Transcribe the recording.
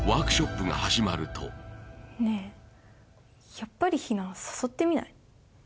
やっぱり陽菜誘ってみない？